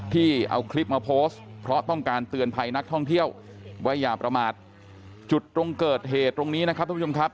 ต้องการเตือนภัยนักท่องเที่ยวไว้อย่าประมาทจุดตรงเกิดเหตุตรงนี้นะครับทุกผู้ชมครับ